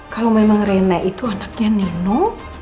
kalau memang rene itu anaknya nino